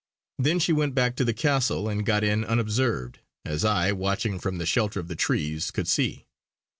Then she went back to the castle and got in unobserved, as I, watching from the shelter of the trees, could see.